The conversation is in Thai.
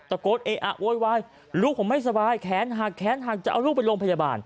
ตะโกนเออะโวยวายลูกผมไม่สบายแขนหักแขนหักจะเอาลูกไปโรงพยาบาล